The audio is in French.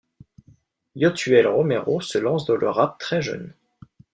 Yotuel Romero se lance dans le rap très jeune.